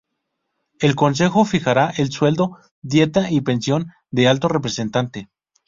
El Consejo fijará el sueldo, dieta y pensión del Alto Representante.